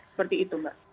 seperti itu mbak